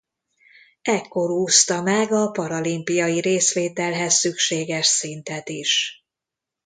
Ekkor úszta meg a paralimpiai részvételhez szükséges szintet is.